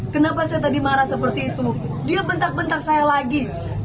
kenapa saya tadi marah seperti itu dia bentak bentak saya lagi